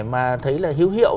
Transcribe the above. mà thấy là hữu hiệu